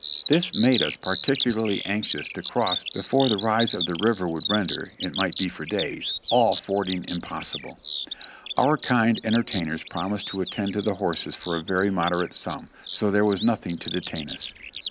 This made us particularly anxious to 444 JOHNNY REB AND BIL,I,Y YANK cross before the rise of the river would render (it might be for days) all fording impossible. Our kind entertainers promised to attend to the horses for a very moderate sum, so there was nothing to detain us.